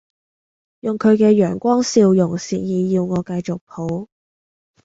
用佢嘅陽光笑容示意要我繼續抱